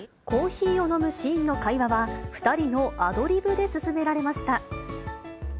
コーヒーを飲むシーンの会話は、２人のアドリブで進められました。